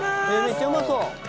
「めっちゃうまそう！」